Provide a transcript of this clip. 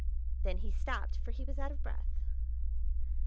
Then he stopped, for he was out of breath.